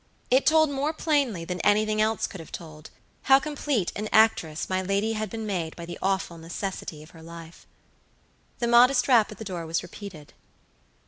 It told more plainly than anything else could have told how complete an actress my lady had been made by the awful necessity of her life. The modest rap at the door was repeated.